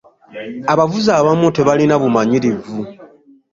Abavuzi abamu tebalina bumanyirivu.